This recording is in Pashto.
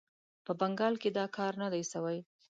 په بنګال کې دا کار نه دی سوی.